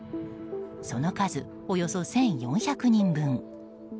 その数、およそ１４００人分。